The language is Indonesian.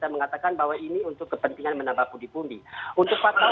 makan gitu harus